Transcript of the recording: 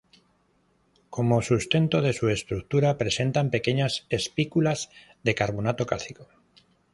Como sustento de su estructura, presentan pequeñas espículas de carbonato cálcico denominadas escleritos.